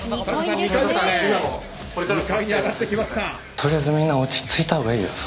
とりあえずみんな落ち着いたほうがいいよ。